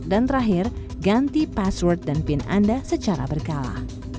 dan terakhir ganti password dan pin anda secara berkala